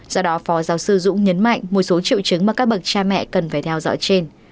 do đó phó giáo sư dũng nhấn mạnh một số triệu chứng mà các bậc cha mẹ cần phải theo dõi trên